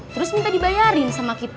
terus minta dibayarin sama kita